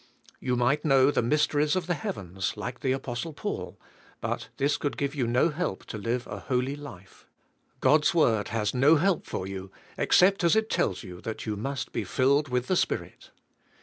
You might know the mysteries of the heavens, like the apostle Paul, but this could give you no help to live a holy life. God's word has no help for you except as it tells you that you must be filled with the Spirit.